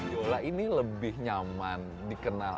yola ini lebih nyaman dikenal